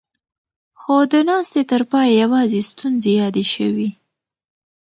خو د ناستې تر پايه يواځې ستونزې يادې شوې.